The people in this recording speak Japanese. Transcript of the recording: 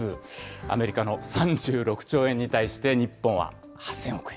アメリカの３６兆円に対して、日本は８０００億円。